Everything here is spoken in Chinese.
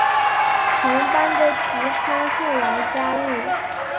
同班的吉川后来加入。